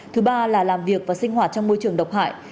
thứ ba là làm việc và sinh hoạt trong môi trường độc hại